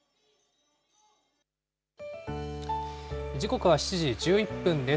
時刻は７時１１分です。